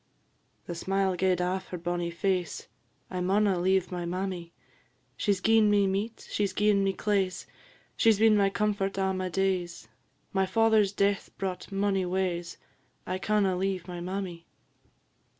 "The smile gaed aff her bonnie face 'I maunna leave my mammy; She 's gi'en me meat, she 's gi'en me claise, She 's been my comfort a' my days; My father's death brought mony waes I canna leave my mammy.'"